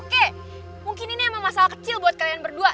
kek mungkin ini emang masalah kecil buat kalian berdua